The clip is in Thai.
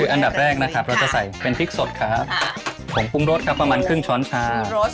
อันดับแรกนะครับเราจะใส่เป็นพริกสดครับผงปรุงรสครับประมาณครึ่งช้อนชา